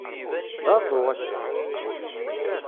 D aḍu, ass-a.